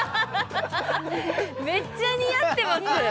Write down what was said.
めっちゃ似合ってます